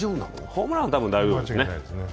ホームランはたぶん大丈夫ですね。